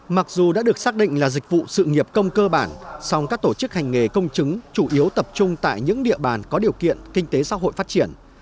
mặc dù đã được xác định là dịch vụ sự nghiệp công cơ bản song các tổ chức hành nghề công chứng chủ yếu tập trung tại những địa bàn có điều kiện kinh tế xã hội phát triển